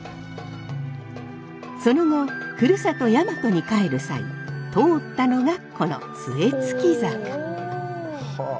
その後ふるさと大和に帰る際通ったのがこの杖衝坂。